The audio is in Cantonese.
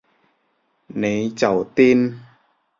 你就癲